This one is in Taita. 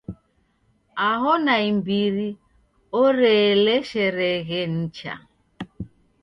Aho naimbiri oreeleshereghe nicha.